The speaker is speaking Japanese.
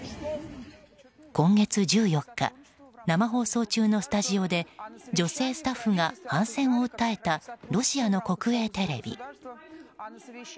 今月１４日生放送中のスタジオで女性スタッフが反戦を訴えたロシアの国営テレビ。